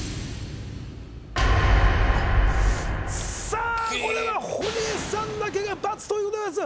さあこれは堀江さんだけが×ということです